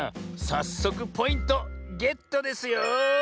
さっそくポイントゲットですよ。